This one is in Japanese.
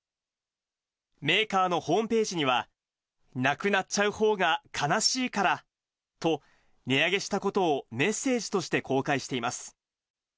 メーカーのホームページには、なくなっちゃうほうが悲しいからと、値上げしたことをメッセージとして公開しています。